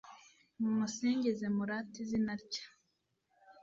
mumusingize, murate izina rye